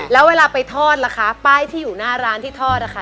แล้วเวลาไปทอดล่ะคะป้ายที่อยู่หน้าร้านที่ทอดนะคะ